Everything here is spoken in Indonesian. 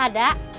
terima kasih van